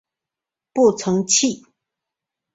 步曾槭